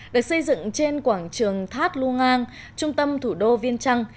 được xây dựng trên quảng trường tháp lu ngang trung tâm thủ đô viên trăng